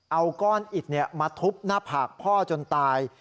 เอาก้อนอิดมาทุบหน้าผากพ่อจนตาย